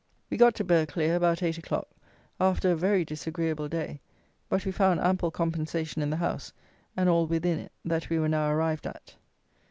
We got to Burghclere about eight o'clock, after a very disagreeable day; but we found ample compensation in the house, and all within it, that we were now arrived at.